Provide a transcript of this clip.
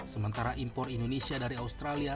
sementara impor indonesia dari australia